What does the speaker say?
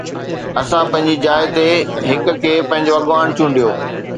اسان پنهنجي جاءِ تي هڪ کي پنهنجو اڳواڻ چونڊيو.